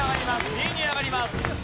２位に上がります。